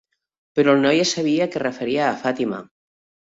Però el noi sabia que es referia a Fatima.